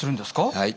はい。